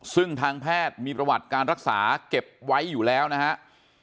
ซึ่งทางแพทย์มีประวัติการรักษาเก็บไว้อยู่แล้วนะครับ